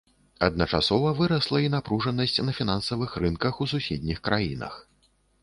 Адначасова вырасла і напружанасць на фінансавых рынках у суседніх краінах.